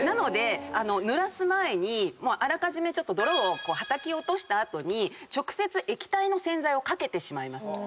ぬらす前にあらかじめ泥をはたき落とした後に直接液体の洗剤を掛けてしまいます。